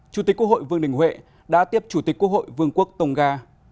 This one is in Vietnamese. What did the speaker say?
chủ tịch quốc hội vương đình huệ đã tiếp chủ tịch quốc hội vương quốc tôn nga